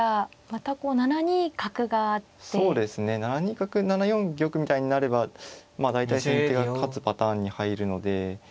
７二角７四玉みたいになればまあ大体先手が勝つパターンに入るので。